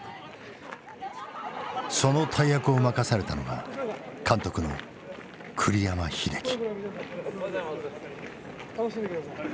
その大役を任されたのが監督の栗山英樹。